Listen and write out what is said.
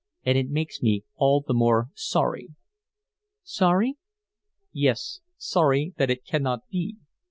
And it makes me all the more sorry." "Sorry?" "Yes, sorry that it cannot be."